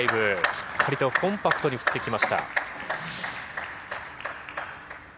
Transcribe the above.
しっかりとコンパクトに振っていきました。